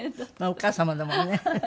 お義母様だもんね。